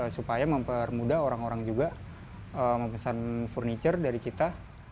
supaya mempermudah orang orang juga memesan furniture dari kita